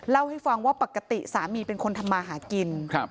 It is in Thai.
เล่าให้ฟังว่าปกติสามีเป็นคนทำมาหากิน